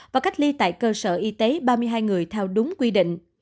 và cách ly tại cơ sở y tế ba mươi hai người theo đúng quy định